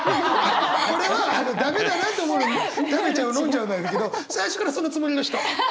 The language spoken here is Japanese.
これは駄目だなと思うのに食べちゃう飲んじゃうならいいけど最初からそのつもりの人。